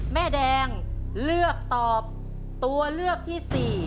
แม่แดงเลือกตอบตัวเลือกที่๔